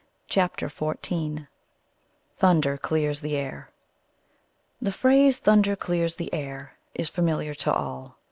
CHAPTER XIV THUNDER CLEARS THE AIR The phrase "thunder clears the air" is familiar to all.